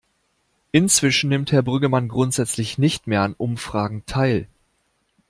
Inzwischen nimmt Herr Brüggemann grundsätzlich nicht mehr an Umfragen teil.